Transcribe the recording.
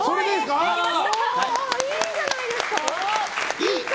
いいんじゃないですか？